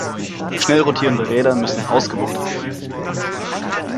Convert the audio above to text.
Schnell rotierende Räder müssen ausgewuchtet werden.